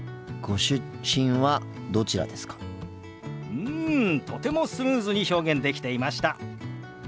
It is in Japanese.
うんとてもスムーズに表現できていました。